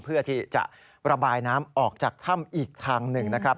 เพื่อที่จะระบายน้ำออกจากถ้ำอีกทางหนึ่งนะครับ